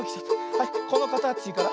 はいこのかたちから。